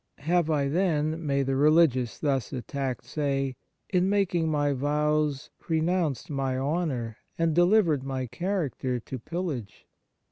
" Have I, then," may the religious thus attacked say, " in making my vows renounced my honour and delivered my character to pillage